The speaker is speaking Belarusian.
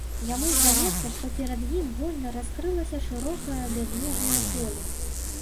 Яму здаецца, што перад ім вольна раскрылася шырокае бязмежнае поле.